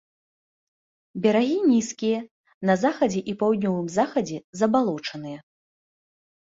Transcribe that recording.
Берагі нізкія, на захадзе і паўднёвым захадзе забалочаныя.